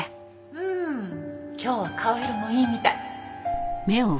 うん今日は顔色もいいみたい。